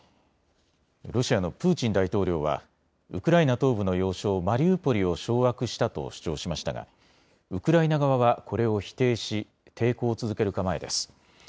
ロシアのプーチン大統領はウクライナ東部の要衝マリウポリを掌握したと主張しましたがウクライナ側は、これを否定し抵抗を続ける構えです。